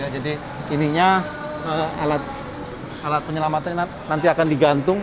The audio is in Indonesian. jadi ininya alat penyelamatan nanti akan digantung